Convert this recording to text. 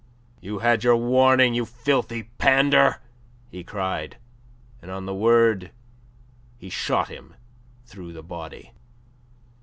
"You had your warning, you filthy pander!" he cried. And on the word he shot him through the body.